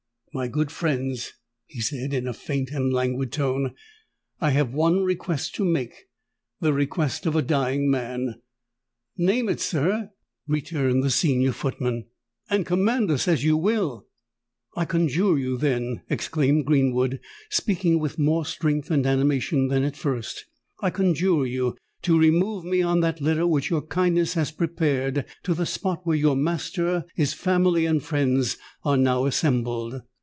"My good friends," he said, in a faint and languid tone, "I have one request to make—the request of a dying man!" "Name it, sir," returned the senior footman; "and command us as you will." "I conjure you, then," exclaimed Greenwood, speaking with more strength and animation than at first,—"I conjure you to remove me on that litter which your kindness has prepared, to the spot where your master, his family, and friends are now assembled.